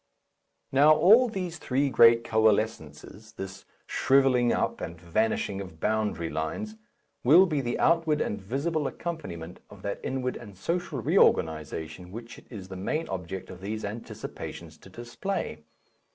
Now, all these three great coalescences, this shrivelling up and vanishing of boundary lines, will be the outward and visible accompaniment of that inward and social reorganization which it is the main object of these Anticipations to display.